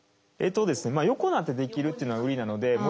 横になってできるっていうのが売りなので。